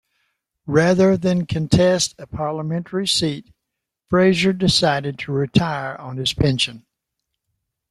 Rather than contest a parliamentary seat, Fraser decided to retire on his pension.